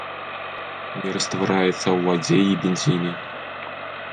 Не раствараецца ў вадзе і бензіне.